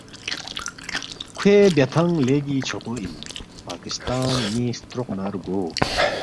کھوئے بیاتھنگ لیگی چھوغو اِن پاکستان نی ستروق نہ رگو